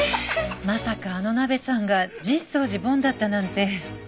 まさかあのナベさんが実相寺梵だったなんて